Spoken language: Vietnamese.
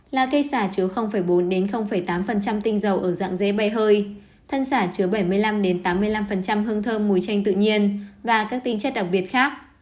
là cây xả chứa bốn tám tinh dầu ở dạng dê hơi thân xả chứa bảy mươi năm tám mươi năm hương thơm mùi chanh tự nhiên và các tinh chất đặc biệt khác